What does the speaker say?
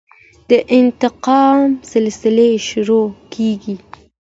د انتقام سلسله شروع کېږي.